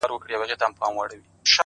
سبا چي راسي د سبــا له دره ولــوېږي ـ